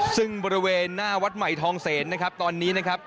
ซึ่งบริเวณหน้าวัดใหม่ทองเสนนะครับตอนนี้นะครับ